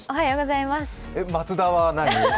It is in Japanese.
松田は何？